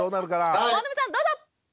本並さんどうぞ！